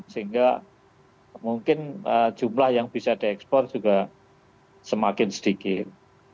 sehingga mungkin jumlah yang bisa diekspor juga semakin sedikit